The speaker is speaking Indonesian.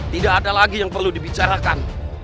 tidak ada lagi yang perlu dibicarakan